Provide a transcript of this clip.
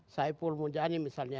saipul munjani misalnya